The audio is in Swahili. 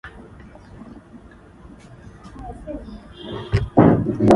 Pinda kulia, halafu pinda kushoto.